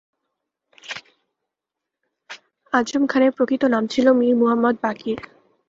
আযম খানের প্রকৃত নাম ছিল মীর মুহম্মদ বাকির।